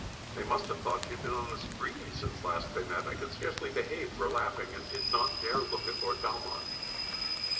They must have thought she had been on a spree since last they met! I could hardly behave for laughing, and did not dare to look at Lord Valmond.